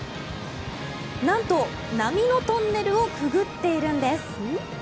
なんと波のトンネルをくぐっているんです。